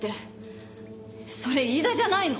それ飯田じゃないの？